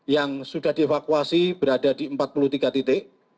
yang sudah dievakuasi berada di empat puluh tiga titik